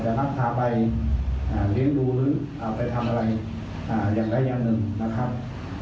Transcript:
นักพาไปเลี้ยงดูหรือไปทำอะไรอย่างไรอย่างหนึ่งนะครับ